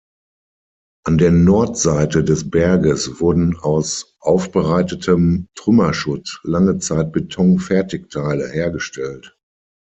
An der Nordseite des Berges wurden aus aufbereitetem Trümmerschutt lange Zeit Beton-Fertigteile hergestellt.